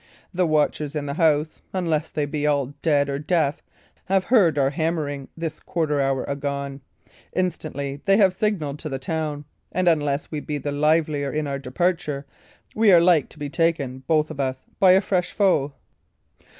The watchers in the house unless they be all dead or deaf have heard our hammering this quarter hour agone; instantly they will have signalled to the town; and unless we be the livelier in our departure, we are like to be taken, both of us, by a fresh foe."